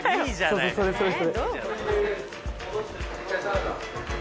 そうそうそれそれ。